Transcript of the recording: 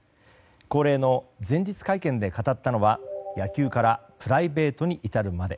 恒例の前日会見で語ったのは野球からプライベートに至るまで。